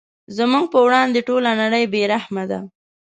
زموږ په وړاندې ټوله نړۍ بې رحمه ده.